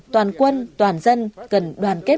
toàn quân toàn dân cần đoàn kết